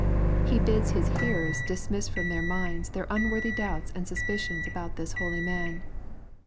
He bids His hearers dismiss from their minds their unworthy doubts and suspicions about this holy man.